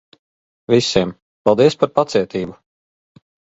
Visiem, paldies par pacietību.